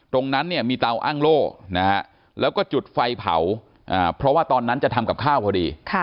ตรงนั้นเนี่ยมีเตาอ้างโล่แล้วก็จุดไฟเผาเพราะว่าตอนนั้นจะทำกับข้าวพอดี